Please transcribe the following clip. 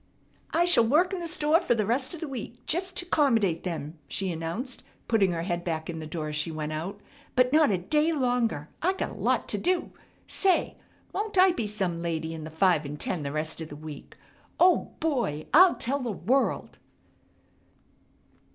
"I sh'll work in the store fer the rest of the week, jest to 'commodate 'em," she announced putting her head back in the door as she went out, "but not a day longer. I got a lot t'do. Say, won't I be some lady in the five an' ten the rest o' the week? Oh _Boy! I'll tell the world!